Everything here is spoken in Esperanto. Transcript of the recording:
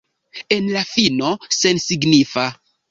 En la fino, sensignifa.